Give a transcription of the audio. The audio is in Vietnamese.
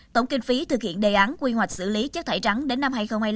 tổng kinh phí thực hiện đề án quy hoạch xử lý chất thải rắn đến năm hai nghìn hai mươi